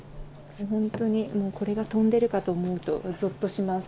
本当にこれが飛んでいるかと思うと、ぞっとします。